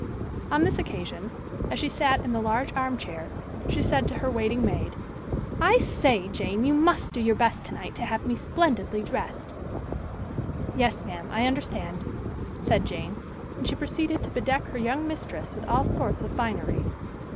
On this occasion, as she sat in the large armchair, she said to her waiting maid, "I say, Jane, you must do your best tonight to have me splendidly dressed." "Yes, ma'am, I understand," said Jane, and she proceeded to bedeck her young mistress with all sorts of finery.